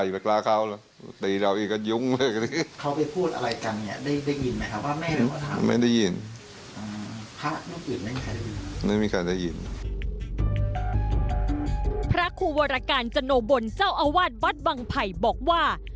พระครูวรการจโนบลเจ้าอาวาสวัดบังไผ่บอกว่า